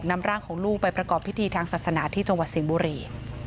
นำร่างของลูกไปประกอบพิธีทางศาสนาที่จังหวัดสิงห์บุรี